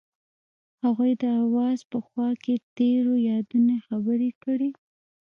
هغوی د اواز په خوا کې تیرو یادونو خبرې کړې.